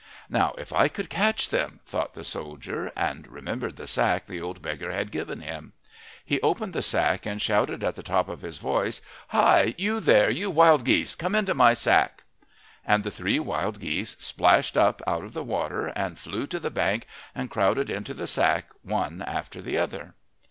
"Now if I could catch them!" thought the soldier, and remembered the sack the old beggar had given him. He opened the sack and shouted at the top of his voice: "Hi! You there, you wild geese, come into my sack!" And the three wild geese splashed up out of the water, and flew to the bank and crowded into the sack one after the other.